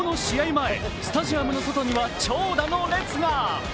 前、スタジアムの外には長蛇の列が。